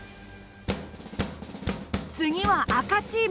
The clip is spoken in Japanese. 次は赤チーム。